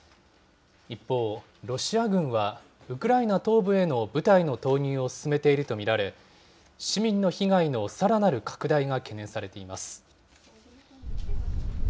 一方、ロシア軍はウクライナ東部への部隊の投入を進めていると見られ、市民の被害のさらなる拡大が懸念されています。